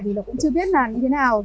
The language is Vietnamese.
vì là cũng chưa biết là như thế nào